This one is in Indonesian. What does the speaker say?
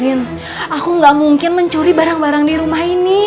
aku gak mungkin mencuri barang barang di rumah ini